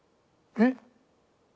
えっ？